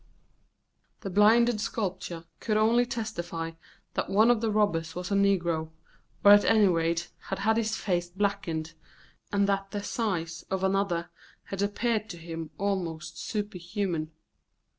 The blinded sculptor could only testify that one of the robbers was a negro, or at any rate had had his face blackened, and that the size of another had appeared to him almost superhuman.